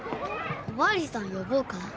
おまわりさん呼ぼうか？